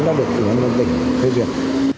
đã được ủy ban nhân tỉnh thuê việc